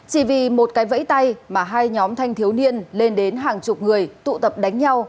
chỉ vì một cái vẫy tay mà hai nhóm thanh thiếu niên lên đến hàng chục người tụ tập đánh nhau